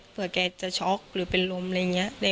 แกจะช็อกหรือเป็นลมอะไรอย่างนี้